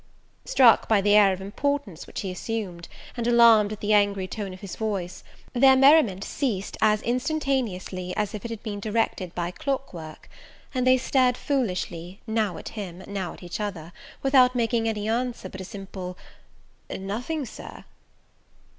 Struck by the air of importance which he assumed, and alarmed at the angry tone of his voice, their merriment ceased as instantaneously as if it had been directed by clock work; and they stared foolishly, now at him, now at each other, without making any answer but a simple "Nothing, Sir."